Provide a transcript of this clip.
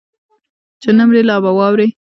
چې نه مرې لا به واورې